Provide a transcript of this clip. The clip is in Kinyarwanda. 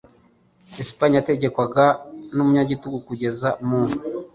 Espagne yategekwaga n’umunyagitugu kugeza mu .